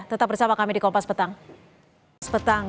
tetap bersama kami di kompas petang